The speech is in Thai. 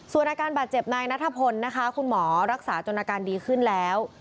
ส่วนอาการบาดเจ็บนายนัทพลนะคะคุณหมอรักษาจนอาการดีขึ้นแล้ว